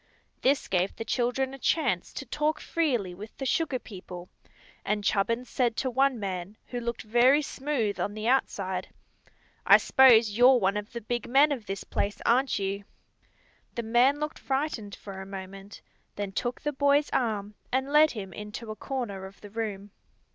This gave the children a chance to talk freely with the sugar people, and Chubbins said to one man, who looked very smooth on the outside: "I s'pose you're one of the big men of this place, aren't you?" The man looked frightened for a moment, and then took the boy's arm and led him into a corner of the room.